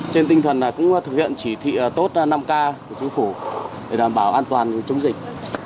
trên tinh thần cũng thực hiện chỉ thị tốt năm k của chính phủ để đảm bảo an toàn chống dịch